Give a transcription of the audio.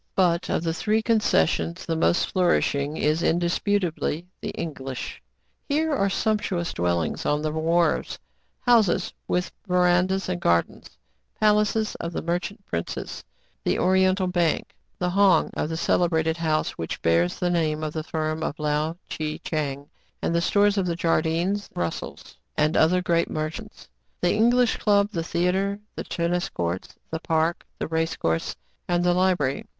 ' But, of. the three concessions, the most flourish ing is indisputably the English. Here are sump tuous dwellings on the wharves, houses with verandas and gardens, palaces of the merchant princes, the Oriental Bank, the "hong" of the cele brated house which bears the name of the firm of Lao Tchi Tchang, the stores of the Jardynes, Rus sels, and other great merchants, the English club, the theatre, the tennis court, the park, the race course, and the library.